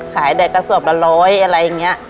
ขายได้กระสอบละร้อยอะไรอย่างนี้